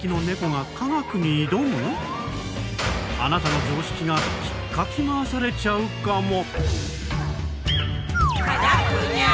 あなたの常識がひっかき回されちゃうかも！